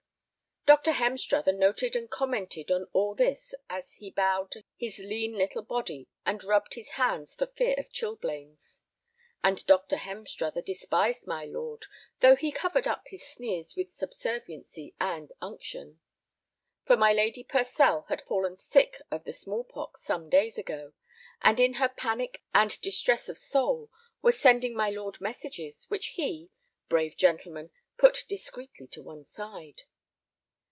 Dr. Hemstruther noted and commented on all this as he bowed his lean little body, and rubbed his hands for fear of chilblains; and Dr. Hemstruther despised my lord, though he covered up his sneers with subserviency and unction. For my Lady Purcell had fallen sick of the small pox some days ago, and in her panic and distress of soul was sending my lord messages, which he—brave gentleman—put discreetly to one side.